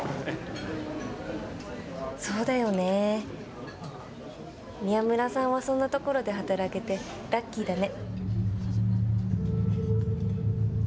そうだよね、宮村さんは、そんなところで働けて、ラッキーだね。